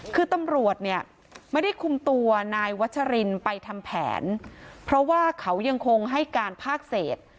คือตำรวจเนี่ยไม่ได้คุมตัวนายวัชรินไปทำแผนเพราะว่าเขายังคงให้การภาคเศษ